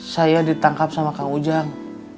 saya ditangkap sama kang ujang